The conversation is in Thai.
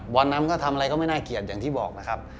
วันนั้นก็ทำอะไรก็ไม่น่าเกลียดอย่างที่บอกนะครับ